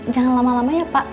jangan lama lama ya pak